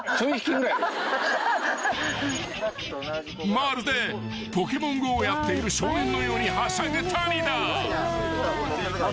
［まるで『ポケモンＧＯ』をやっている少年のようにはしゃぐ谷田］